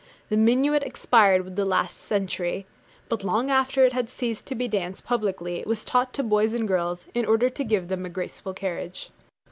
The minuet expired with the last century: but long after it had ceased to be danced publicly it was taught to boys and girls, in order to give them a graceful carriage.